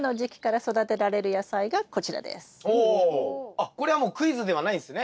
あっこれはもうクイズではないんすね。